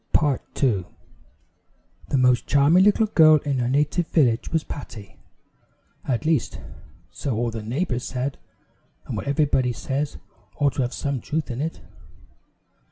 The Wonderful Pitcher The most charming little girl in her native village, was Patty; at least, so all the neighbors said, and what everybody says ought to have some truth in it.